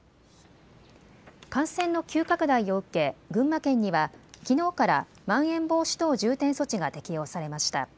感染の急拡大を受け、群馬県にはきのうから、まん延防止等重点措置が適用されました。